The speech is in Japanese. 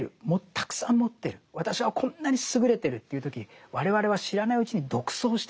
たくさん持ってる私はこんなに優れてるっていう時我々は知らないうちに独走してるんです。